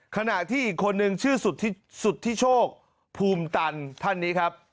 ขณะที่อีกคนนึงชื่อสุธิโชคภูมิตันท่านนี้ครับ